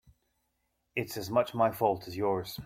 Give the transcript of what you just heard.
It's as much my fault as yours.